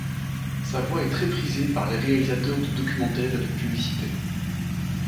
Sa voix est très prisée par les réalisateurs de documentaires et de publicités.